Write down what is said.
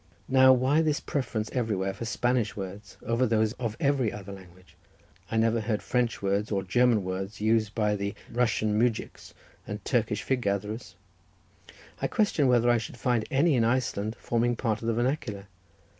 Now, why this preference everywhere for Spanish words, over those of every other language? I never heard French words or German words used by Russian mujiks and Turkish fig gatherers. I question whether I should find any in Iceland forming part of the vernacular.